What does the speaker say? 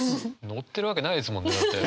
載ってるわけないですもんねだって。